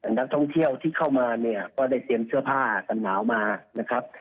นักท่องเที่ยวที่เข้ามาเนี่ยก็ได้เตรียมเสื้อผ้ากันหนาวมานะครับ